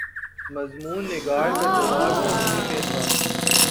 مضمون نگار کا جواب نفی میں تھا۔